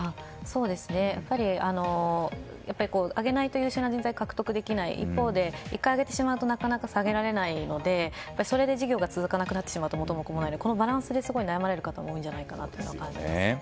やっぱり上げないと優秀な人材が獲得できない一方で１回上げてしまうとなかなか下げられないのでそれで事業が続かなくなってしまうと元も子もないのでこのバランスで悩まれている方が多いと思います。